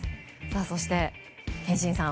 そして、憲伸さん